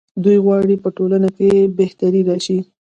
دوی غواړي په ټولنه کې بهتري راشي.